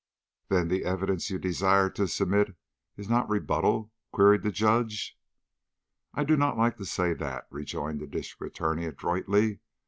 "Then the evidence you desire to submit is not in rebuttal?" queried the Judge. "I do not like to say that," rejoined the District Attorney, adroitly.